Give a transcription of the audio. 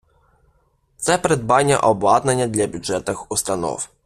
Це придбання обладнання для бюджетних установ.